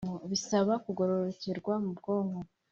bisaba kugororokerwa mu bwonko.